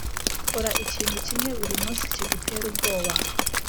"kora ikintu kimwe buri munsi kigutera ubwoba."